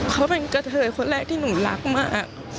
เขาเป็นกระเทยคนแรกที่หนูรักมาก